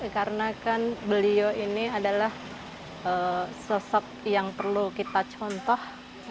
karena kan beliau ini adalah sosok yang perlu kita contoh